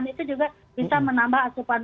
itu juga bisa menambah asupan